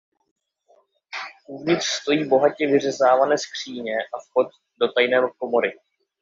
Uvnitř stojí bohatě vyřezávané skříně a vchod do tajné komory.